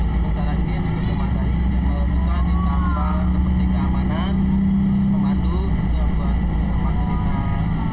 sebentar lagi yang juga dimatahi kalau bisa ditambah seperti keamanan terus pemandu juga buat fasilitas